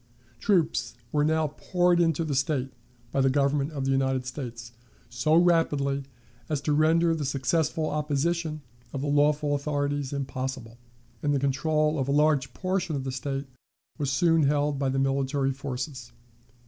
Troops were now poured into the State by the Government of the United States so rapidly as to render the successful opposition of the lawful authorities impossible, and the control of a large portion of the State was soon held by the military forces.